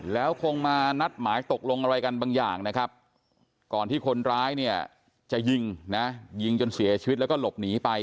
แล้วคงมานัดหมายตกลงอะไรกันบางอย่างนะครับก่อนที่คนร้ายเนี่ยจะยิงนะยิงจนเสียชีวิตแล้วก็หลบหนีไป